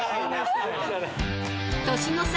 ［年の差